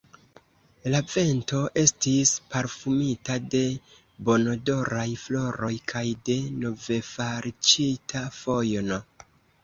La vento estis parfumita de bonodoraj floroj kaj de novefalĉita fojno.